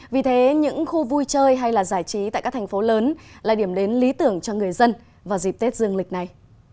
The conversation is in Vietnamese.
vì thế những khu vui chơi hay là giải trí tại các thành phố lớn là điểm đến lý tưởng cho người dân vào dịp tết dương lịch này